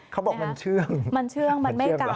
เขาบอกมันเชื่องมันเชื่องมันไม่เก่า